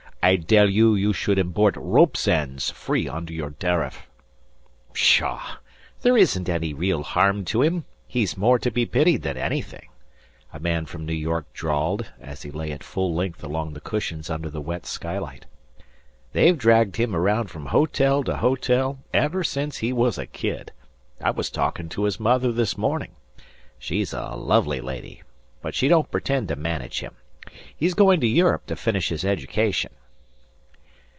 I dell you you should imbort ropes' ends free under your dariff." "Pshaw! There isn't any real harm to him. He's more to be pitied than anything," a man from New York drawled, as he lay at full length along the cushions under the wet skylight. "They've dragged him around from hotel to hotel ever since he was a kid. I was talking to his mother this morning. She's a lovely lady, but she don't pretend to manage him. He's going to Europe to finish his education."